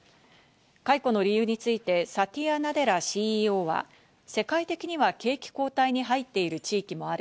解雇の理由についてサティア・ナデラＣＥＯは世界的には景気後退に入っている地域もある。